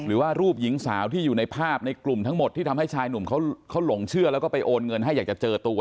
หรือว่ารูปหญิงสาวที่อยู่ในภาพในกลุ่มทั้งหมดที่ทำให้ชายหนุ่มเขาหลงเชื่อแล้วก็ไปโอนเงินให้อยากจะเจอตัว